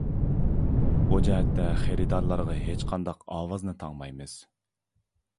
بۇ جەھەتتە خېرىدارلارغا ھېچقانداق ئاۋازنى تاڭمايمىز.